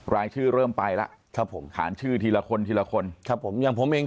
รายชื่อเริ่มไปแล้วครับผมขานชื่อทีละคนทีละคนครับผมอย่างผมเอง